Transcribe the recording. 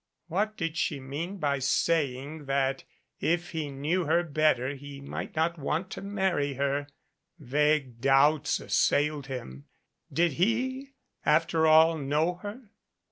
What did she mean by saying that if he knew her better he might not want to marry her? Vague doubts assailed him. Did he, after all, know her?